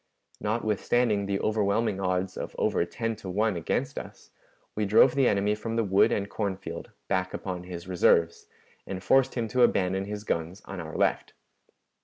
Notwithstanding the overwhelming odds of over ten to one against us, we drove the enemy from the wood and corn field back upon his reserves, and forced him to abandon his guns on our left.